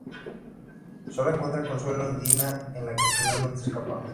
Sólo encuentra consuelo en Diana, con la que finalmente escapa.